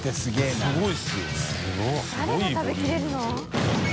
誰が食べきれるの？